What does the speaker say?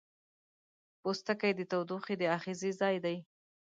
پوستکی د تودوخې د آخذې ځای دی.